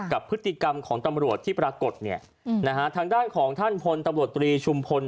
กับพฤติกรรมของตำรวจที่ปรากฏเนี่ยนะฮะทางด้านของท่านพลตำรวจตรีชุมพล